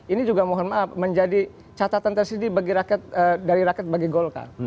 ini juga mohon maaf menjadi catatan tersendiri bagi rakyat bagi golkar